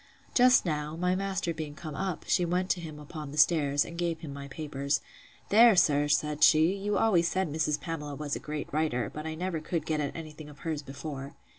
Just now, my master being come up, she went to him upon the stairs, and gave him my papers. There, sir, said she; you always said Mrs. Pamela was a great writer; but I never could get at any thing of hers before.